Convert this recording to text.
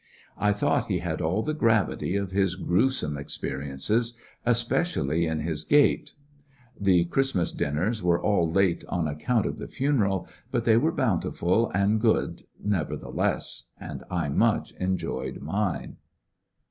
I thought he had all the gravity of his grewsome experiences, especially in his gait 173 amon^ horses ^ecoCCections of a The Christmas dinners were all late on account of the funeral, but they were bountiful and good nevertheless^ and I much enjoyed mine.